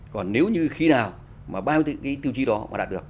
còn nếu như khi nào mà ba cái tiêu chí đó mà đạt được